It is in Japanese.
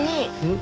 ん？